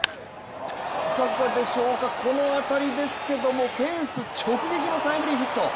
いかがでしょう、この当たりですけどフェンス直撃のタイムリーヒット。